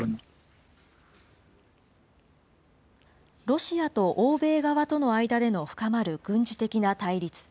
ロシアと欧米側との間での深まる軍事的な対立。